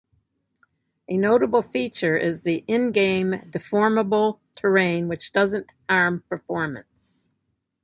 A notable feature is the in-game deformable terrain which doesn't harm performance.